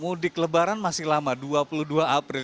mudik lebaran masih lama dua puluh dua april